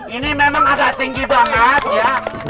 ini memang agak tinggi banget ya